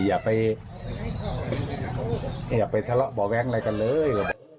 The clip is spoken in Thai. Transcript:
อย่าไปทะเลาะบ่วงแว้งอะไรกันเลย